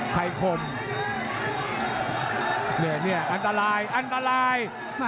ใครคมเนี่ยอันตรายอันตราย